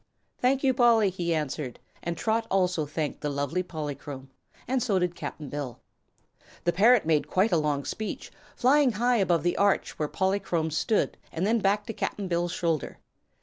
"Thank you, Polly," he answered, and Trot also thanked the lovely Polychrome and so did Cap'n Bill. The parrot made quite a long speech, flying high above the arch where Polychrome stood and then back to Cap'n Bill's shoulder.